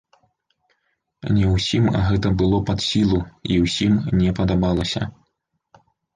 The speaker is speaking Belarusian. Не ўсім гэта было пад сілу і ўсім не падабалася.